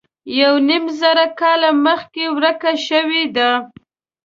یو نیم زر کاله مخکې ورکه شوې ده.